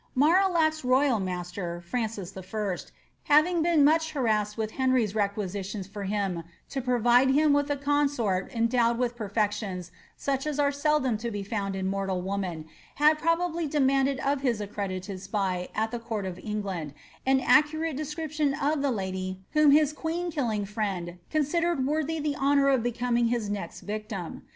'^ miarillac's royal master, Francis I., having been much harassed with Henry^s requisitions for him to provide him with a consort endowed with perfections such as are seldom to be found in mortal woman, had probably demanded of his accredited spy at the court of England an accurate description of the lady whom his queen killing friend considered worthy the honour of becoming lus next victim.